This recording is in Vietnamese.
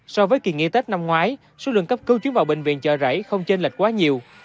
so với kỳ nghỉ tết năm ngoái số lượng cấp cứu chuyến vào bệnh viện chợ rẫy không chênh lệch quá nhiều